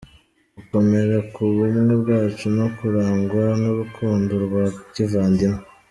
-Gukomera ku bumwe bwacu no kurangwa n’urukundo rwa kivandimwe;